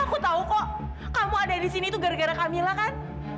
aku tahu kok kamu ada di sini tuh gara gara camilla kan